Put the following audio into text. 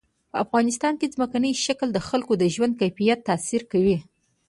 په افغانستان کې ځمکنی شکل د خلکو د ژوند کیفیت تاثیر کوي.